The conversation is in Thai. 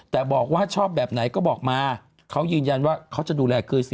แต่บอกว่าชอบแบบไหนก็บอกมาเขายืนยันว่าเขาจะดูแลเคยสิ